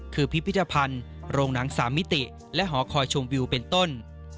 คือพิพิธภัณฑ์โรงหนัง๓มิติและหอคอยชมวิวเป็นต้น